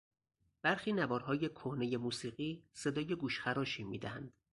برخی نوارهای کهنهی موسیقی صدای گوشخراشی میدهند.